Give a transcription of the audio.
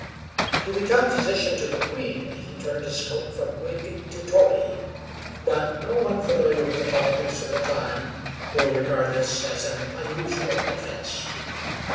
To become physician to the Queen, he turned his coat from Whig to Tory; but no one familiar with the politics of the time will regard this as an unusual offense.